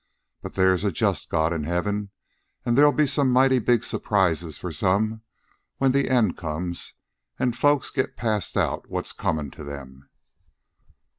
But there's a just God in heaven, and there'll be some mighty big surprises for some when the end comes and folks get passed out what's comin' to them."